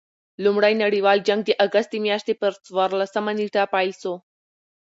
لومړي نړۍوال جنګ د اګسټ د میاشتي پر څوارلسمه نېټه پيل سو.